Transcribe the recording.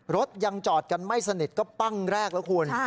รถยังจอดกันไม่สนิทก็ปั้งแรกแล้วคุณ